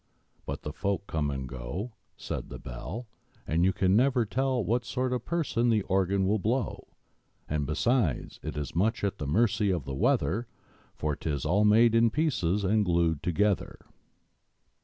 But the folk come and go, Said the Bell, And you never can tell What sort of person the Organ will blow! And, besides, it is much at the mercy of the weather For 'tis all made in pieces and glued together!